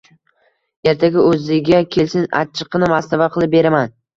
Ertaga o`ziga kelsin, achchiqqina mastava qilib beraman